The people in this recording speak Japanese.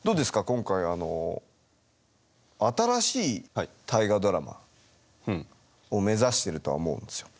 今回あの新しい「大河ドラマ」を目指しているとは思うんですよ。